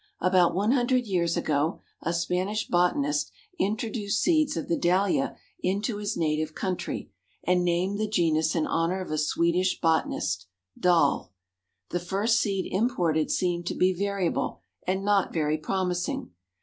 About one hundred years ago a Spanish botanist introduced seeds of the Dahlia into his native country, and named the genus in honor of a Swedish botanist, DAHL. The first seed imported seemed to be variable and not very promising.